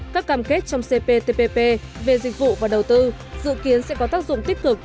các cam kết trong cptpp về dịch vụ và đầu tư dự kiến sẽ có tác dụng tích cực